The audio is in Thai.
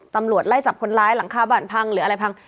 ตำรวจไล่จับคนร้ายหลังคาบ้านพังหรืออะไรพัง